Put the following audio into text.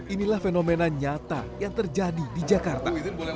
inilah fenomena nyata yang terjadi di jakarta